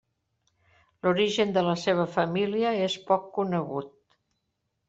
L'origen de la seva família és poc conegut.